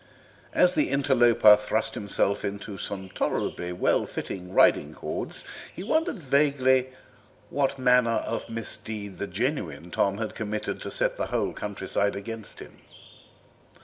As the interloper thrust himself into some tolerably well fitting riding cords he wondered vaguely what manner of misdeed the genuine Tom had committed to set the whole countryside against him.